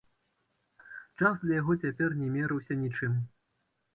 Час для яго цяпер не мераўся нічым.